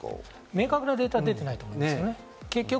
明確なデータは出ていないと思うんですね。